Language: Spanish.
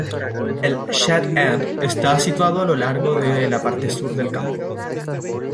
El Shed End está situado a lo largo de la parte sur del campo.